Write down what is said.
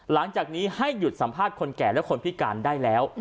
หลังจากนี้ให้หยุดสัมภาษณ์คนแก่และคนพิการได้แล้ว